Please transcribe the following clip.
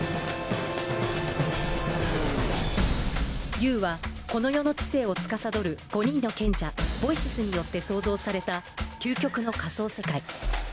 Ｕは、この世の知性をつかさどる５人の賢者ボイシスによって創造された究極の仮想世界。